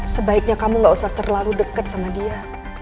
sebaiknya kamu gak usah terlalu dekat sama dia